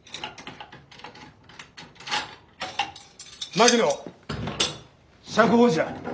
槙野釈放じゃ。